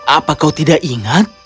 apa kau tidak ingat